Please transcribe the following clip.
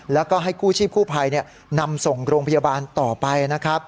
แล้วก็ให้คู่ชีพคู่ภัยนำส่งโรงพยาบาลต่อไป